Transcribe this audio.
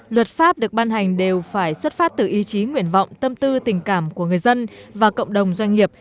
luật pháp được ban hành đều phải xuất phát từ ý chí nguyện vọng tâm tư tình cảm của người dân và cộng đồng doanh nghiệp